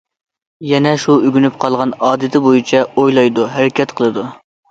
يەنە شۇ ئۆگىنىپ قالغان ئادىتى بويىچە ئويلايدۇ، ھەرىكەت قىلىدۇ.